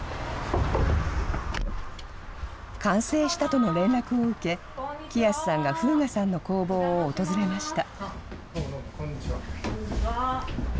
完成したとの連絡を受け、喜安さんが風雅さんの工房を訪れました。